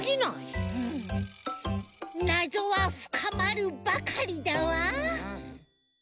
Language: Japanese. なぞはふかまるばかりだわ。